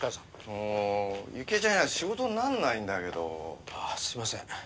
もう雪江ちゃんいないと仕事になんないんだけど。すいません。